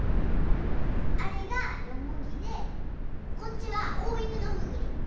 あれがヨモギでこっちはオオイヌノフグリ。